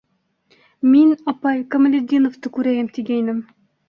Мин, апай, Камалетдиновты күрәйем тигәйнем.